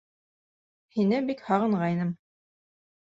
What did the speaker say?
Һине бик һағынғайным.